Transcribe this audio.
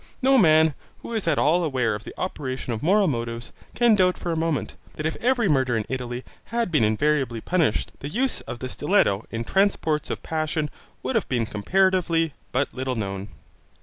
No man, who is at all aware of the operation of moral motives, can doubt for a moment, that if every murder in Italy had been invariably punished, the use of the stiletto in transports of passion would have been comparatively but little known.